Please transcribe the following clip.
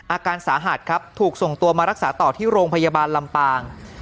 อาการสาหัสครับถูกส่งตัวมารักษาต่อที่โรงพยาบาลลำปาง